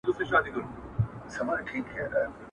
• ازمايښت پخوا کال په تلين و، اوس دم په گړي دئ.